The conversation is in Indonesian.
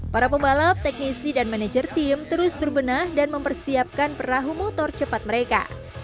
para pembalap teknisi dan manajer tim terus berbenah dan mempersiapkan perahu motor cepat mereka